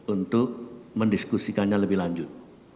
untuk mendiskusikannya lebih lanjut